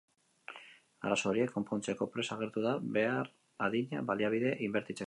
Arazo horiek konpontzeko prest agertu da behar adina baliabide inbertitzeko.